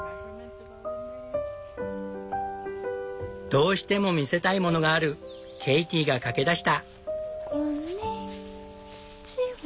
どうしても見せたいものがあるケイティが駆け出した。